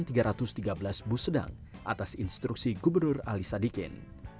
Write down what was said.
pemerintah juga menilai dua belas bus sedang atas instruksi gubernur ali sadikin